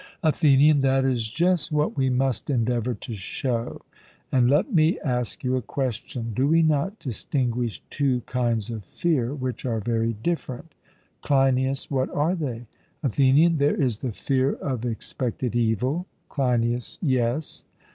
ATHENIAN: That is just what we must endeavour to show. And let me ask you a question: Do we not distinguish two kinds of fear, which are very different? CLEINIAS: What are they? ATHENIAN: There is the fear of expected evil. CLEINIAS: Yes.